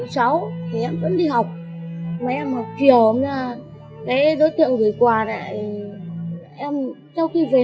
sau đó em đã kể anh thắng và em trai của anh viện